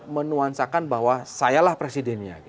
menuansakan bahwa sayalah presidennya